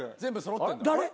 誰？